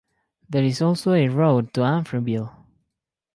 There is also a road to Amfreville.